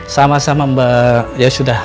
sama sama ya sudah